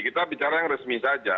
kita bicara yang resmi saja